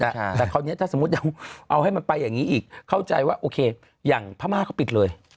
แต่คราวนี้ถ้าสมมุติยังเอาให้มันไปอย่างนี้อีกเข้าใจว่าโอเคอย่างพม่าเขาปิดเลย